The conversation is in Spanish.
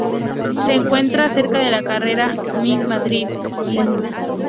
Se encuentra cerca de la carretera N-I Madrid-Irún.